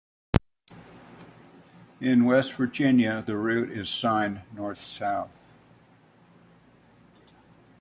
In West Virginia, the route is signed north-south.